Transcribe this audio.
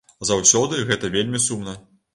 Заўсёды гэта вельмі сумна.